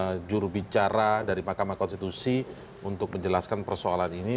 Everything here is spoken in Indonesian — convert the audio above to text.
untuk juga menghubungi jurubicara dari mahkamah konstitusi untuk menjelaskan persoalan ini